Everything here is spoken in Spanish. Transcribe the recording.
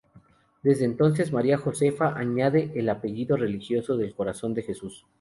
Desde entonces María Josefa, añade el apellido religioso del Corazón de Jesús.